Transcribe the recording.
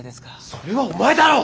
それはお前だろ！